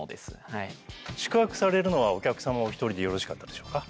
はい宿泊されるのはお客様お一人でよろしかったでしょうか？